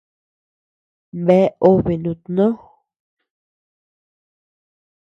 Bea obe nutnó.